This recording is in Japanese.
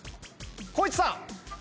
光一さん！